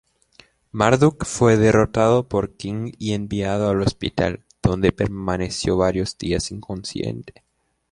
Marduk fue derrotado por King y enviado al hospital, donde permaneció varios días inconsciente.